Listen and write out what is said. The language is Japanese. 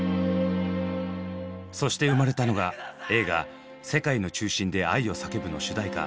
そして生まれたのが映画「世界の中心で、愛をさけぶ」の主題歌